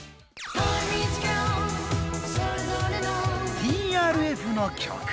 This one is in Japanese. ＴＲＦの曲。